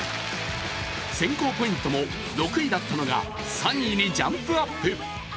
選考ポイントも６位だったのが３位にジャンプアップ。